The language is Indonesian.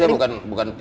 jadi bisa bts nya bukan